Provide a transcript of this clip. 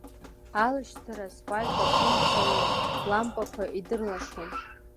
Алашьцара асфальт афымца лампақәа идырлашон.